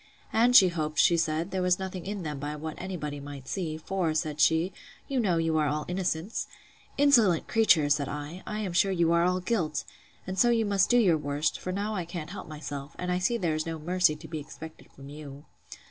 And she hoped, she said, there was nothing in them by what any body might see; for, said she, you know you are all innocence!—Insolent creature! said I, I am sure you are all guilt!—And so you must do your worst; for now I can't help myself, and I see there is no mercy to be expected from you.